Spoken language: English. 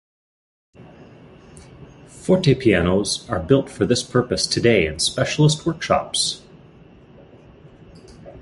Fortepianos are built for this purpose today in specialist workshops.